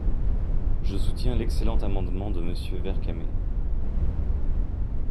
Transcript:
Je soutiens l’excellent amendement de Monsieur Vercamer.